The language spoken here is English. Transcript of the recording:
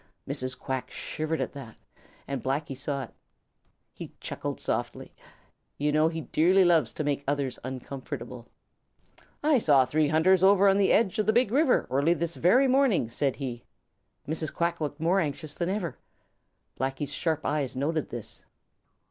Mrs. Quack shivered at that, and Blacky saw it. He chuckled softly. You know he dearly loves to make others uncomfortable. "I saw three hunters over on the edge of the Big River early this very morning," said he. Mrs. Quack looked more anxious than ever. Blacky's sharp eyes noted this.